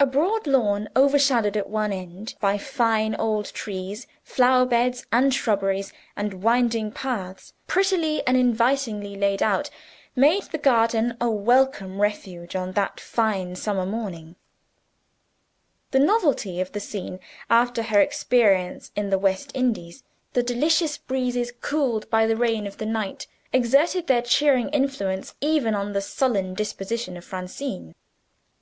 A broad lawn, overshadowed at one end by fine old trees flower beds and shrubberies, and winding paths prettily and invitingly laid out made the garden a welcome refuge on that fine summer morning. The novelty of the scene, after her experience in the West Indies, the delicious breezes cooled by the rain of the night, exerted their cheering influence even on the sullen disposition of Francine.